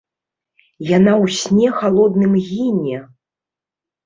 Яна ў сне халодным гіне!